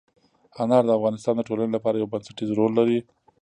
انار د افغانستان د ټولنې لپاره یو بنسټيز رول لري.